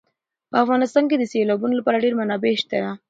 په افغانستان کې د سیلابونو لپاره ډېرې منابع شته دي.